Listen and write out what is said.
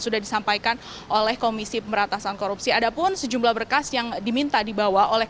sudah disampaikan oleh komisi pemberantasan korupsi ada pun sejumlah berkas yang diminta dibawa oleh